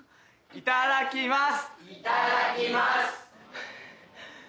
いただきます。